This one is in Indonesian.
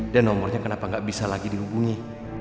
dan nomornya kenapa nggak bisa lagi dihubungi